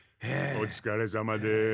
おつかれさまです。